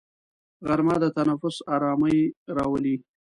غرمه د تنفس ارامي راولي